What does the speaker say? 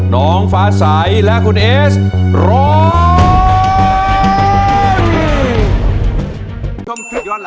น้องฟ้าใสและคุณเอสร้อง